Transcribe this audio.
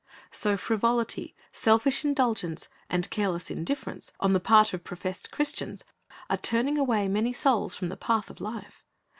So frivolity, selfish indulgence, and careless indifference on the part of professed Christians, are turning away many souls from the path of life.